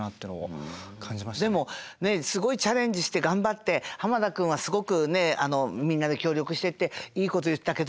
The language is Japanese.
でもねすごいチャレンジして頑張って濱田君はすごくねみんなで協力してっていいこと言ったけど